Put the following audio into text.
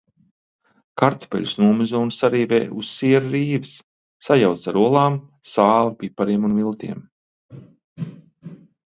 Kartupeļus nomizo un sarīvē uz siera rīves, sajauc ar olām, sāli, pipariem un miltiem.